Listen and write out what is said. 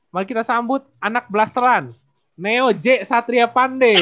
mari kita sambut anak blasteran neo j satria pandey